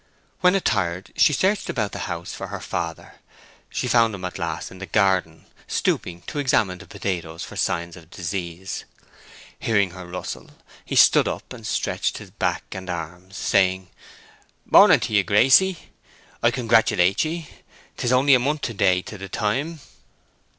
When attired she searched about the house for her father; she found him at last in the garden, stooping to examine the potatoes for signs of disease. Hearing her rustle, he stood up and stretched his back and arms, saying, "Morning t'ye, Gracie. I congratulate ye. It is only a month to day to the time!"